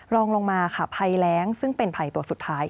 รองลงมาค่ะภัยแรงซึ่งเป็นภัยตัวสุดท้าย